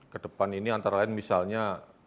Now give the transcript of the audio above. kedepan ini antara lain misalnya